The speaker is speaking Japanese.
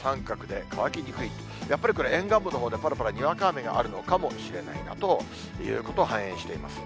やっぱりこれ、沿岸部のほうでぱらぱらにわか雨があるのかもしれないなということを反映しています。